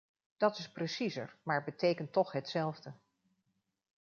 Dat is preciezer maar betekent toch hetzelfde.